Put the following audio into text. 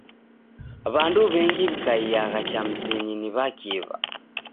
W'andu w'engi w'ikaiagha cha mzinyi ni w'akiw'a.